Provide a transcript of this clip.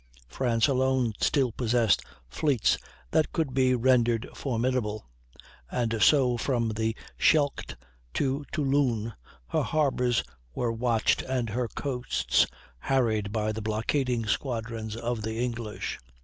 France alone still possessed fleets that could be rendered formidable, and so, from the Scheldt to Toulon, her harbors were watched and her coasts harried by the blockading squadrons of the English.